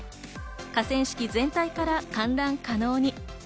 河川敷全体から観覧可能に。